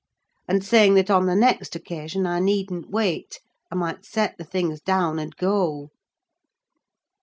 and saying that on the next occasion I needn't wait: I might set the things down and go.